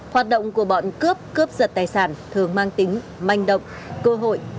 hoạt động của bọn cướp cướp giật tài sản thường mang tính manh động cơ hội